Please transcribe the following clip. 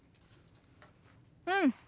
うん。